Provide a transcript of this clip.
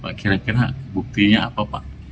pak kira kira buktinya apa pak